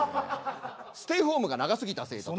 ステイホームが長すぎたせいだと。